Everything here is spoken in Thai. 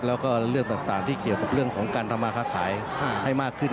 แล้วก็เรื่องต่างที่เกี่ยวกับเรื่องของการทำมาค้าขายให้มากขึ้น